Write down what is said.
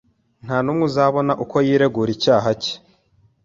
Nta n’umwe uzabona uko yiregura icyaha cye.